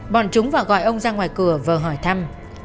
bọn chúng và gọi ông ra ngoài cửa vờ hỏi thăm